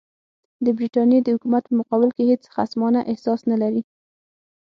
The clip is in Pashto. د برټانیې د حکومت په مقابل کې هېڅ خصمانه احساس نه لري.